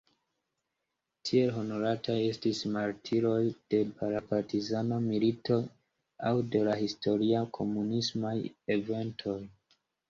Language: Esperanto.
Tiel honorataj estis martiroj de la partizana milito aŭ de historiaj komunismaj eventoj.